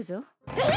えっ！？